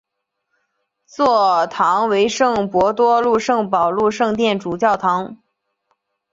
座堂为圣伯多禄圣保禄圣殿主教座堂。